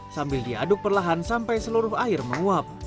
sambil diaduk perlahan sampai seluruh air menguap